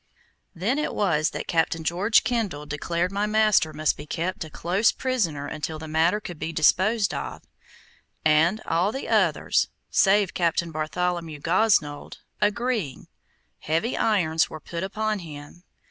Then it was that Captain George Kendall declared my master must be kept a close prisoner until the matter could be disposed of, and all the others, save Captain Bartholomew Gosnold, agreeing, heavy irons were put upon him.